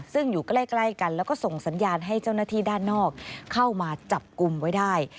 ซึ่งอยู่ใกล้กันแล้วก็ส่งสัญญาณให้เจ้าหน้าที่ด้านนอกเข้ามาจับกลุ่มไว้ได้